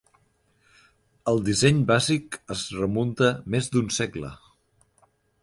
El disseny bàsic es remunta més d"un segle.